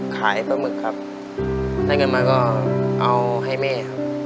ขายปลาหมึกครับได้เงินมาก็เอาให้แม่ครับ